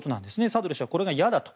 サドル師はこれが嫌だと。